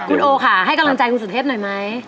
คุณโอค่ะให้กำลังใจคุณสุเทพหน่อยไหม